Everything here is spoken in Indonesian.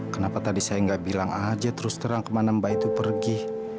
kenapa tadi saya nggak bilang aja terus terang kemana mbak itu pergi